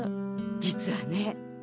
実はね。